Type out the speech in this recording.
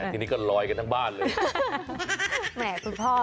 ทีนี้ก็ลอยกันทั้งบ้านเลย